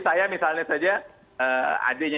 saya misalnya saja adiknya